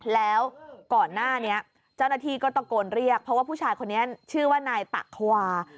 แล้วก่อนหน้านี้เจ้าหน้าที่ก็ตะโกนเรียกเพราะว่าผู้ชายคนนี้ชื่อว่านายตะควา